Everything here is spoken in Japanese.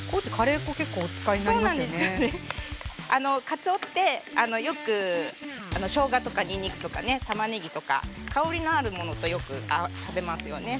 かつおってよくしょうがとかにんにくとかねたまねぎとか香りのあるものとよく食べますよね。